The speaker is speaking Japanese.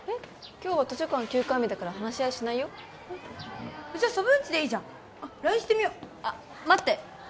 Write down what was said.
今日は図書館休館日だから話し合いしないよじゃあソブーんちでいいじゃんあっＬＩＮＥしてみよあっ待って！